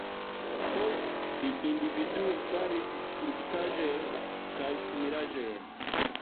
Poste li individue faris skulptaĵojn kaj similaĵojn.